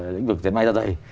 lĩnh vực dân may ra dậy